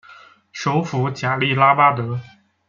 首府贾利拉巴德。